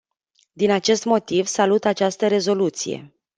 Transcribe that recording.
Din acest motiv, salut această rezoluție.